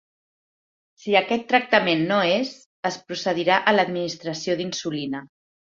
Si aquest tractament no és, es procedirà a l'administració d'insulina.